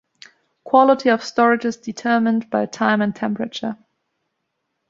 Quality of storage is determined by time and temperature.